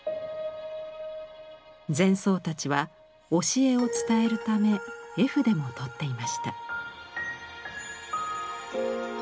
禅僧たちは教えを伝えるため絵筆も執っていました。